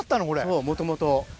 そうもともと。